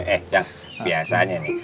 eh yang biasanya nih